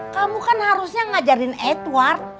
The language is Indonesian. kamu kan harusnya ngajarin edward